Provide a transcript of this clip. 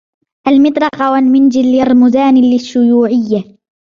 المطرقة والمنجل يرمزان للشيوعية.